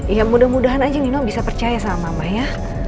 ya mudah mudahan aja nino bisa percaya sama mama ya